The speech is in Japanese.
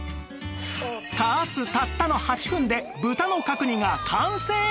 加圧たったの８分で豚の角煮が完成！